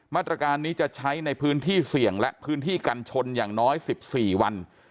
มาตรการนี้จะใช้ในพื้นที่เสี่ยงและพื้นที่กันชนอย่างน้อย๑๔วัน